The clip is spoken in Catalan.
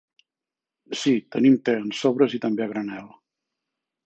Sí tenim te en sobres i també a granel.